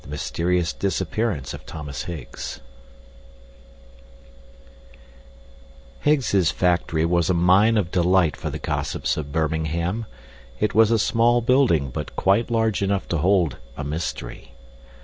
Mysterious Disappearance of Thomas Higgs Higgs's factory was a mine of delight for the gossips of Birmingham. It was a small building but quite large enough to hold a mystery.